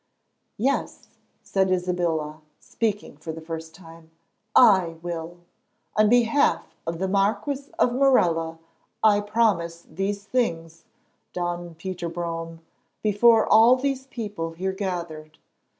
"Yes," said Isabella, speaking for the first time, "I will. On behalf of the Marquis of Morella I promise these things, Don Peter Brome, before all these people here gathered.